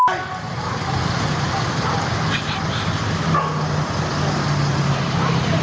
บ๊วยเยี่ยมมาก